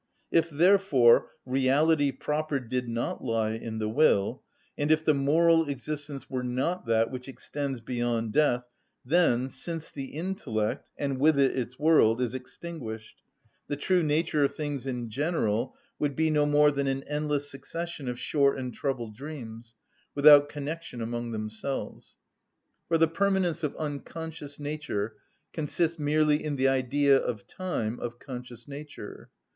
If, therefore, reality proper did not lie in the will, and if the moral existence were not that which extends beyond death, then, since the intellect, and with it its world, is extinguished, the true nature of things in general would be no more than an endless succession of short and troubled dreams, without connection among themselves; for the permanence of unconscious nature consists merely in the idea of time of conscious nature.